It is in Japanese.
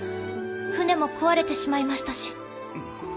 船も壊れてしまいましたし。